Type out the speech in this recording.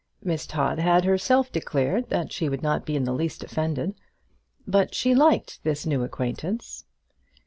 Miss Todd had herself declared that she would not be in the least offended. But she liked this new acquaintance.